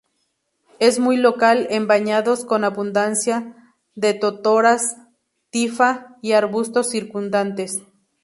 Es muy local en bañados con abundancia de totoras "Typha" y arbustos circundantes.